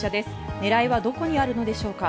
狙いはどこにあるのでしょうか。